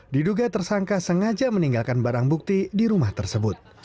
diduga tersangka sengaja meninggalkan barang bukti di rumah tersebut